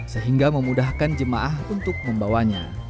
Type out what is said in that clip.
sehingga memudahkan jemaah untuk membawanya